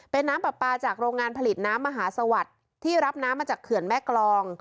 เป็นน้ำปลาปลาจากโรงงานผลิตน้ำมหาสวัสดิ์ที่รับน้ำมาจากเขื่อนแม่กรอง